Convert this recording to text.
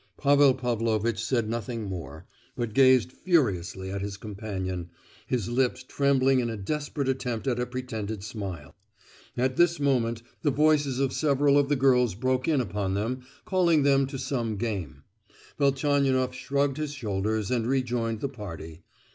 Pavel Pavlovitch said nothing more, but gazed furiously at his companion, his lips trembling in a desperate attempt at a pretended smile. At this moment the voices of several of the girls broke in upon them, calling them to some game. Velchaninoff shrugged his shoulders and re joined the party.